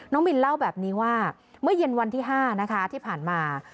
มินเล่าแบบนี้ว่าเมื่อเย็นวันที่๕นะคะที่ผ่านมา